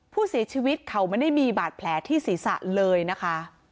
ผู้เสียชีวิตเขาไม่ได้มีบาดแผลที่ศีรษะเลยนะคะ